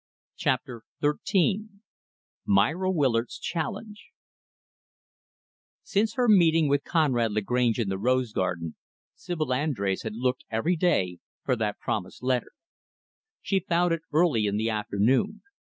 Chapter XIII Myra Willard's Challenge Since her meeting with Conrad Lagrange in the rose garden, Sibyl Andrés had looked, every day, for that promised letter. She found it early in the afternoon.